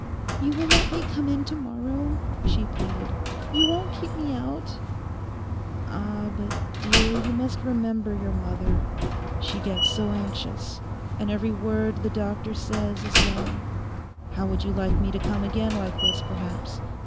'You will let me come in to morrow?' she pleaded; 'you won't keep me out?' 'Ah, but, dear, you must remember your mother. She gets so anxious, and every word the doctor says is law. How would you like me to come again like this, perhaps?